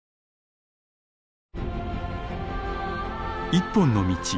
「一本の道」。